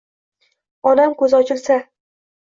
Onam ko‘zi ochilsa